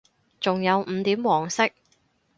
仲有五點黃色